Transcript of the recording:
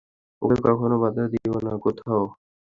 ওকে কখনো বাধা দাও নি কোথাও।